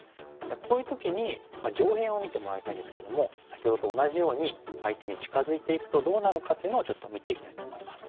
こういう時に上辺を見てもらいたいんですけども先ほどと同じように相手に近づいていくとどうなのかっていうのをちょっと見ていきたいと思います。